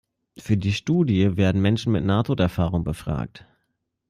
Für die Studie werden Menschen mit Nahtoderfahrung befragt.